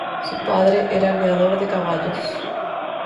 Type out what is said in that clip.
Su padre era criador de caballos.